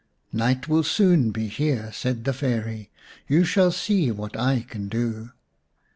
" Night will soon be here," said the Fairy. " You shall see what I can do."